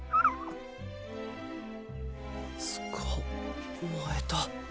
つかまえた。